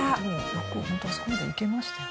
よく本当あそこまで行けましたよ